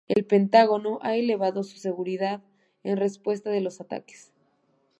El Pentágono ha elevado su seguridad en respuesta a los ataques.